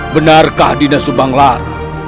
benarkah dina subanglar